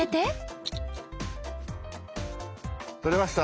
撮れました！